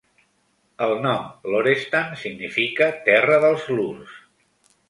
El nom "Lorestan" significa "terra dels lurs".